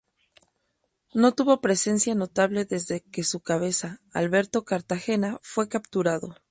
No tuvo presencia notable desde que su cabeza, Alberto Cartagena, fue capturado.